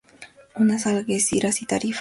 Une Algeciras y Tarifa.